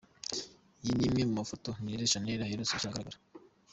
yi ni imwe mu mafoto Nirere Shannel aherutse gushyira ahagaragara.